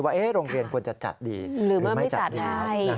ว่าโรงเรียนควรจะจัดดีหรือไม่จัดดี